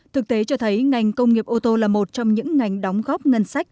thực tế cho thấy ngành công nghiệp ô tô là một trong những ngành đóng góp ngân sách